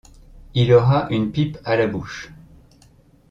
Il aura une pipe à la bouche.